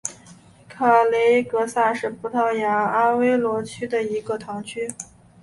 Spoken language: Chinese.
卡雷戈萨是葡萄牙阿威罗区的一个堂区。